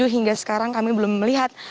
hingga sekarang kami belum melihat